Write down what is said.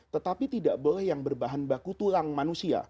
tetapi tidak boleh yang berbahan baku tulang manusia